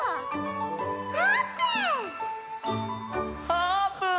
あーぷん！